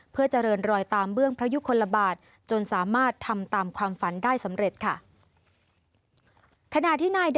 เพื่อเจริญรอยตามเบื้องพระยุคลบาทจนสามารถทำตามความฝันได้สำเร็จค่ะ